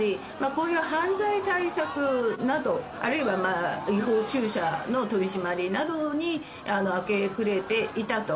こういう犯罪対策など、あるいは違法駐車などの取り締まりなどに明け暮れていたと。